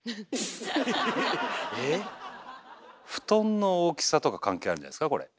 布団の大きさとか関係あるんじゃないですかこれ。